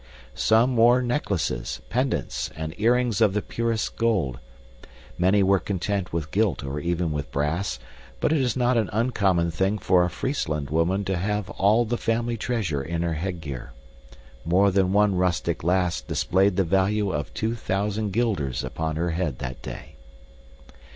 Some wore necklaces, pendants, and earrings of the purest gold. Many were content with gilt or even with brass, but it is not an uncommon thing for a Friesland woman to have all the family treasure in her headgear. More than one rustic lass displayed the value of two thousand guilders upon her head that day.